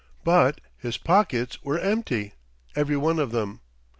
But his pockets were empty every one of them.